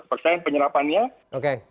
untuk sektor pemerintah